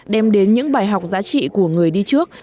đem đến những bài học giá trị của người đi trước